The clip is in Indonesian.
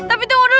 tapi tunggu dulu